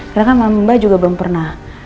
karena kan mbak juga belum pernah